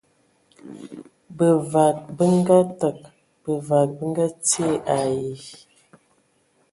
Bevag be ngaateg, bevag be ngaatie ai.